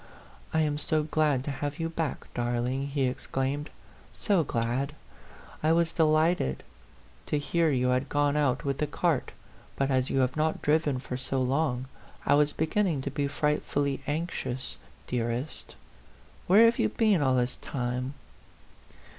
" I am so glad to have you back, darling," he exclaimed " so glad ! I was delighted to hear you had gone out with the cart, but as you have not driven for so long, I was beginning to be frightfully anxious, dearest. Where have you been all this time